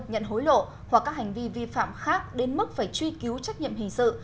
nhận hối lộ hoặc các hành vi vi phạm khác đến mức phải truy cứu trách nhiệm hình sự